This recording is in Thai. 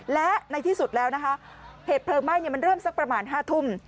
และในที่สุดแล้วนะคะเหตุเพลิงไหม้มันเริ่มสักประมาณ๕ทุ่ม